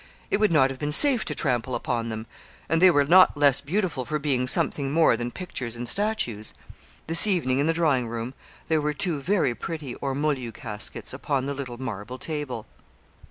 It would not have been safe to trample upon them; and they were not less beautiful for being something more than pictures and statues. This evening, in the drawing room, there were two very pretty ormolu caskets upon the little marble table.